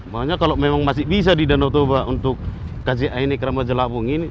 makanya kalau memang masih bisa di danau toba untuk kasih air di keramba jala apung ini